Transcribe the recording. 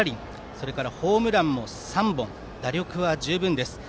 それからホームランも３本打力は十分です。